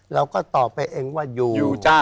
เราก็ตอบไปเองว่าอยู่จ้า